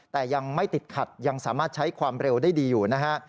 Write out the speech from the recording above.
แต่ยังไม่ติดขัดยังสามารถใช้ความเร็วได้ดีอยู่นะฮะ